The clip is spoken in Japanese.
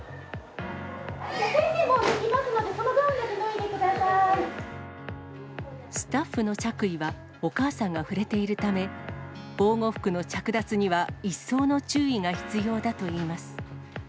先生、もう行きますので、スタッフの着衣は、お母さんが触れているため、防護服の着脱には、一層の注意が必要だといいます。